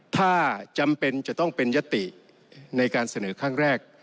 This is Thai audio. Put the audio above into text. ถ้าจำเป็นจะต้องเป็นยติในการเสนอครั้งแรก